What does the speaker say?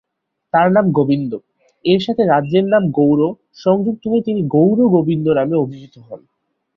তার নাম গোবিন্দ; এর সাথে রাজ্যের নাম "গৌর" সংযুক্ত হয়ে তিনি 'গৌর গোবিন্দ' নামে অভিহিত হন।